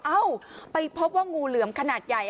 เอ้าไปพบว่างูเหลือมขนาดใหญ่